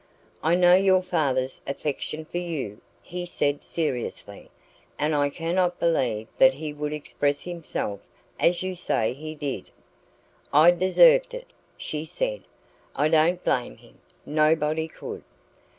"I know your father's affection for you," he said seriously, "and I cannot believe that he would express himself as you say he did." "I deserved it," she said. "I don't blame him nobody could."